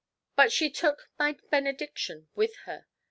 But she took my benediction with her.